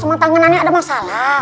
sama tanganannya ada masalah